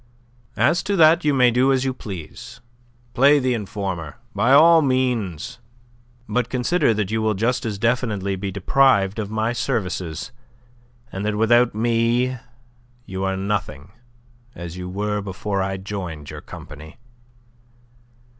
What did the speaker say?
"As to that, you may do as you please. Play the informer, by all means. But consider that you will just as definitely be deprived of my services, and that without me you are nothing as you were before I joined your company."